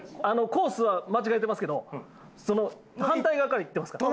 コースは間違えてますけど反対側からいってますから。